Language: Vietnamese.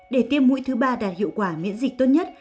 để tiêm mũi thứ ba đạt hiệu quả miễn dịch tốt nhất